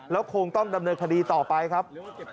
แล้วคงต้องดำเนินคดีต่อไปครับ